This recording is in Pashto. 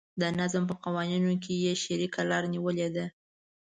د نظم په قوانینو کې یې شریکه لاره نیولې ده.